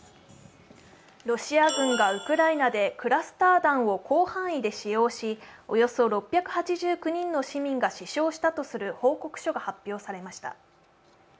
ロシア軍がクラスター爆弾をウクライナの広範囲で使用しおよそ６８９人の市民が死傷したとする報告書を発表しました。